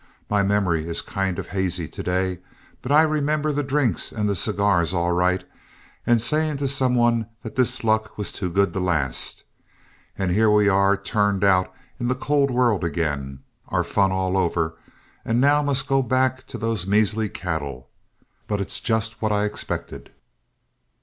My memory is kind of hazy to day, but I remember the drinks and the cigars all right, and saying to some one that this luck was too good to last. And here we are turned out in the cold world again, our fun all over, and now must go back to those measly cattle. But it's just what I expected."